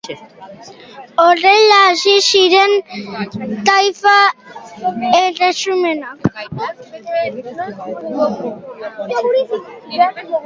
Horrela hasi ziren taifa erresumak.